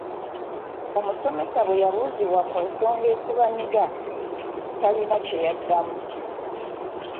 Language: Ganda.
"Omusomesa bwe yabuuzibwa ku nsonga ezibanyiga, talina kye yaddamu."